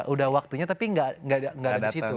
udah waktunya tapi gak ada disitu